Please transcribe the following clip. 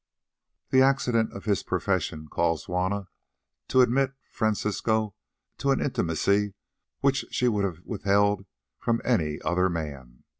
The accident of his profession caused Juanna to admit Francisco to an intimacy which she would have withheld from any other man.